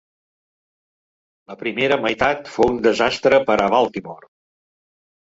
La primera meitat fou un desastre per a Baltimore.